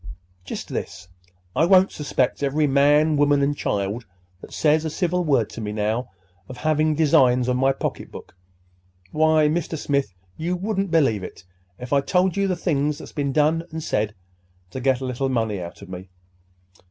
"Just this. I won't suspect every man, woman, and child that says a civil word to me now of having designs on my pocketbook. Why, Mr. Smith, you wouldn't believe it, if I told you, the things that's been done and said to get a little money out of me.